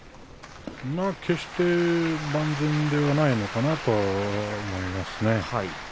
決して万全ではないのかなと思いますね。